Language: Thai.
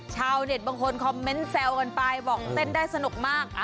ชาวเน็ตบางคนคอมเมนต์แซวกันไปบอกเต้นได้สนุกมาก